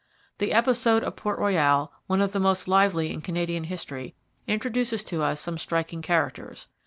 The episode of Port Royal, one of the most lively in Canadian history, introduces to us some striking characters.